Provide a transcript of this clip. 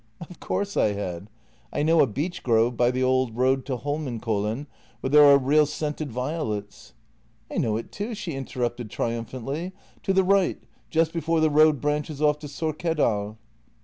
"" Of course I had. I know a beech grove by the old road to Holmenkollen, where there are real scented violets." " I know it too," she interrupted triumphantly, " to the right, just before the road branches off to Sorkedal."